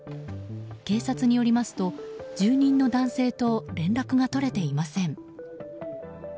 警察によりますと住人の男性と連絡が取れていません。